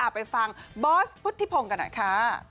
ไปฟังบอสพุทธิพงศ์กันหน่อยค่ะ